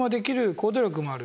行動力もある。